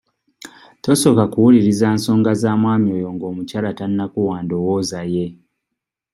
Tosooka kkuwuuliriza nsonga za mwami oyo ng'omukyala tannakuwa ndowooza ye.